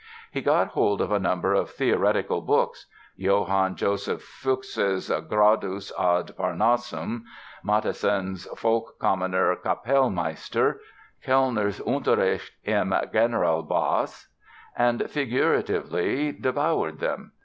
He got hold of a number of theoretical books—Johann Joseph Fux's "Gradus ad Parnassum," Mattheson's "Vollkommener Capellmeister," Kellner's "Unterricht im Generalbass"—and figuratively devoured them.